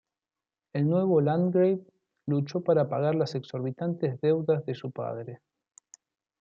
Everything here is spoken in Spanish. El nuevo landgrave luchó para pagar las exorbitantes deudas de su padre.